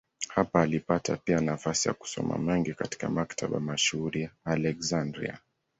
Hapa alipata pia nafasi ya kusoma mengi katika maktaba mashuhuri ya Aleksandria.